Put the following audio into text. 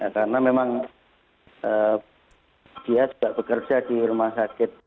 karena memang dia juga bekerja di rumah sakit